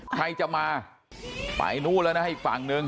ใครจะมาไปนู่นแล้วนะอีกฝั่งนึง